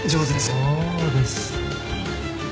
そうです。